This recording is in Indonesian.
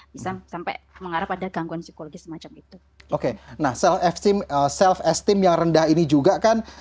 bisa sampai mengarah pada gangguan psikologis semacam itu oke nah self estem yang rendah ini juga kan